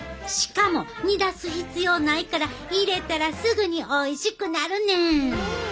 しかも煮出す必要ないから入れたらすぐにおいしくなるねん！